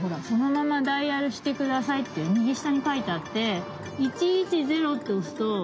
「そのままダイヤルしてください」ってみぎしたにかいてあって「１１０」っておすと。